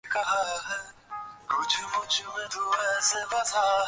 আর এ নিয়ে ভয় ও উদ্বেগ আছে অনেকের মধ্যেই।